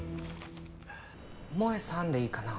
萌さんでいいかな？